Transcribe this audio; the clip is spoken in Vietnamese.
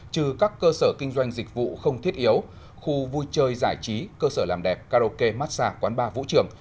trừ các cơ sở kinh doanh dịch vụ không thiết yếu khu vui chơi giải trí cơ sở làm đẹp karaoke massage quán bar vũ trường